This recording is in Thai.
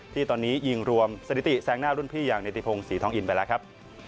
ที่ตอนนี้ยิงรวมสถิติแซงหน้ารุ่นพี่อย่างเนติพงศรีทองอินไปแล้วครับ